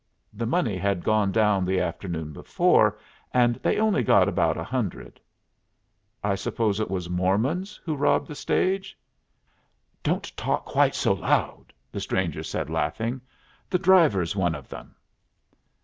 The money had gone down the afternoon before, and they only got about a hundred." "I suppose it was Mormons who robbed the stage?" "Don't talk quite so loud," the stranger said, laughing. "The driver's one of them."